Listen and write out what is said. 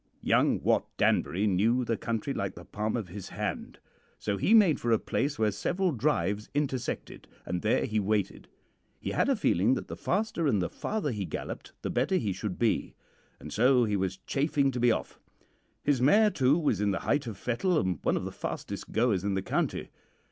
Young Wat Danbury knew the country like the palm of his hand, so he made for a place where several drives intersected, and there he waited. He had a feeling that the faster and the farther he galloped the better he should be, and so he was chafing to be off. His mare, too, was in the height of fettle and one of the fastest goers in the county.